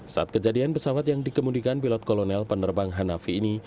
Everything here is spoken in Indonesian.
saat kejadian pesawat yang dikemudikan pilot kolonel penerbang hanafi ini